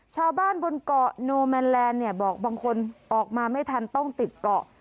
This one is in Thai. ชาวบ้านบนเกาะโนแมนแลนด์เนี่ยบอกบางคนออกมาไม่ทันต้องติดเกาะ